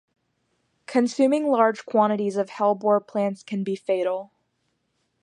Consuming large quantities of hellebore plants can be fatal.